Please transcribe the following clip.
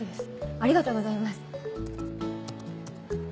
ありがとうございます。